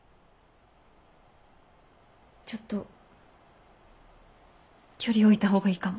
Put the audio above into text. ちょっと距離置いた方がいいかも。